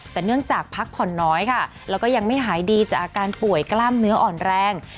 แต่เนื่องจากพักผ่อนน้อยค่ะแล้วก็ยังไม่หายดีจากอาการป่วยกล้ามเนื้ออ่อนแรง